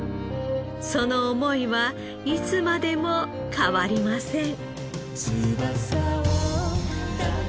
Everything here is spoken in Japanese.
その思いはいつまでも変わりません。